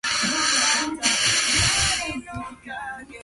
Both works are priceless contributions to literature and learning.